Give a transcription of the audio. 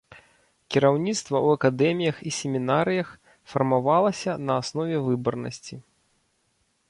Кіраўніцтва ў акадэміях і семінарыях фармавалася на аснове выбарнасці.